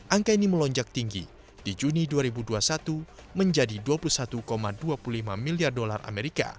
angka ini melonjak tinggi di juni dua ribu dua puluh satu menjadi dua puluh satu dua puluh lima miliar dolar amerika